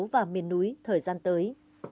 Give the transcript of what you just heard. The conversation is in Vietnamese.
và miền núi thời gian tới